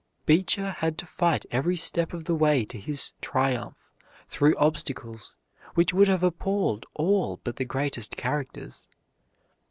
Beecher had to fight every step of the way to his triumph through obstacles which would have appalled all but the greatest characters.